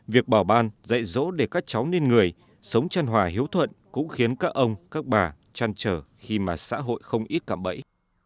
việc bảo ban dạy dỗ để các cháu nên người sống chân hòa hiếu thuận cũng khiến các ông các bà trăn trở khi mà xã hội không ít cạm bẫy